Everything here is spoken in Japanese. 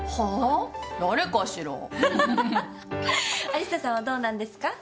有沙さんはどうなんですか？